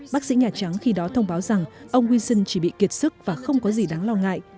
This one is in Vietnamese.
bác sĩ nhà trắng khi đó thông báo rằng ông winson chỉ bị kiệt sức và không có gì đáng lo ngại